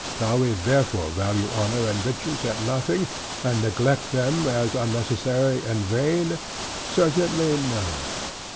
Shall we therefore value honor and riches at nothing? and neglect them, as unnecessary and vain? Certainly no.